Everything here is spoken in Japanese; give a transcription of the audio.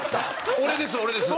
俺です俺です。